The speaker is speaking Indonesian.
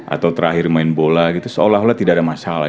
atau terakhir main bola gitu seolah olah tidak ada masalah